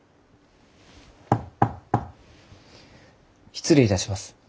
失礼いたします。